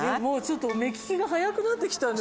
ちょっと目利きが早くなってきたのよ